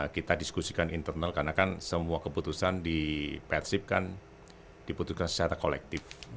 kita diskusikan internal karena kan semua keputusan di persib kan diputuskan secara kolektif